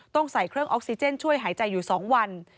ต้องใส่เครื่องออกซิเจนช่วยหายใจอยู่๒วัน